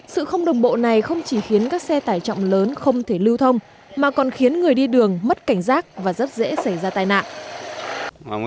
sự không đồng bộ này không chỉ khiến các xe tải trọng lớn không thể lưu thông mà còn khiến người đi đường mất cảnh giác và rất dễ xảy ra tai nạn